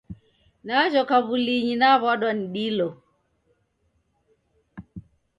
Najhoka w'ulinyi, naw'uadwa ni dilo